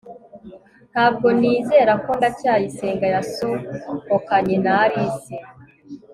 ntabwo nizera ko ndacyayisenga yasohokanye na alice